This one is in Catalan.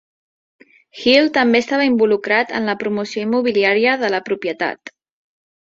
Hill també estava involucrat en la promoció immobiliària de la propietat.